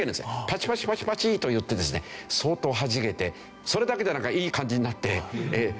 パチパチパチパチといってですね相当はじけてそれだけでなんかいい感じになって。